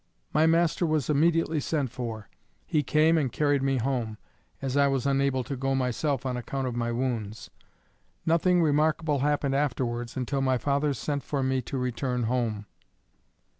My master was immediately sent for. He came and carried me home, as I was unable to go myself on account of my wounds. Nothing remarkable happened afterwards until my father sent for me to return home.